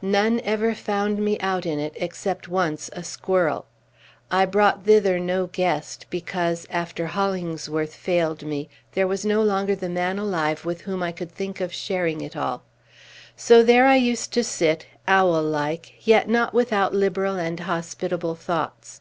None ever found me out in it, except, once, a squirrel. I brought thither no guest, because, after Hollingsworth failed me, there was no longer the man alive with whom I could think of sharing all. So there I used to sit, owl like, yet not without liberal and hospitable thoughts.